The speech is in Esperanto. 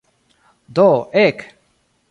Do, ek.